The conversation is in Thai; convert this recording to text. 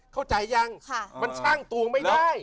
เข้าใจยังมันช่างตวงไม่ได้